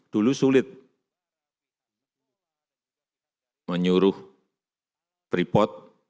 dulu sulit menyuruh tripod